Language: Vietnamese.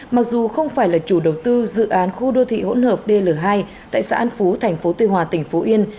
mặc dù không phải là chủ đầu tư dự án khu đô thị hỗn hợp dl hai tại xã an phú thành phố tuy hòa tỉnh phú yên